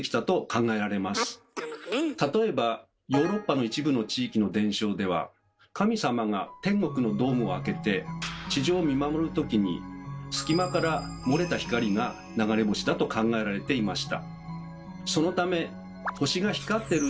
例えばヨーロッパの一部の地域の伝承では神様が天国のドームを開けて地上を見守る時に隙間から漏れた光が流れ星だと考えられていました。